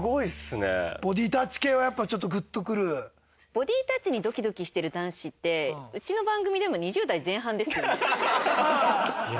ボディタッチにドキドキしてる男子ってうちの番組でも２０代前半ですよね？